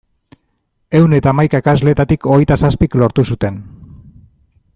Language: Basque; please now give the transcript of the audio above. Ehun eta hamaika ikasleetatik hogeita zazpik lortu zuten.